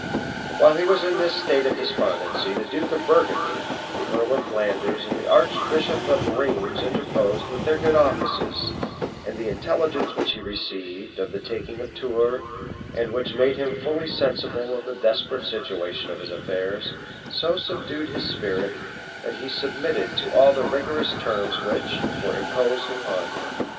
While he was in this state of despondency, the duke of Burgundy, the earl of Flanders, and the archbishop of Rheims interposed with their good offices; and the intelligence which he received of the taking of Tours, and which made him fully sensible of the desperate situation of his affairs, so subdued his spirit, that he submitted to all the rigorous terms which, were imposed upon him.